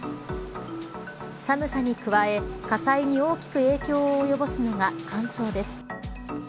寒さに加え火災に大きく影響を及ぼすのが乾燥です。